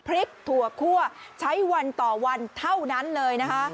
พริกถั่วคั่วใช้วันต่อวันเท่านั้นเลยนะคะ